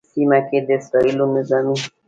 سیمه کې د اسرائیلو نظامي